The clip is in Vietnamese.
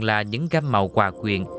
mà còn là những gam màu quà quyền